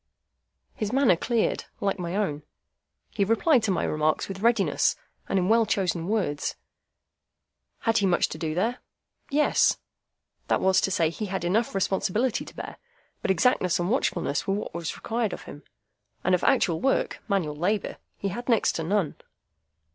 His manner cleared, like my own. He replied to my remarks with readiness, and in well chosen words. Had he much to do there? Yes; that was to say, he had enough responsibility to bear; but exactness and watchfulness were what was required of him, and of actual work—manual labour—he had next to none.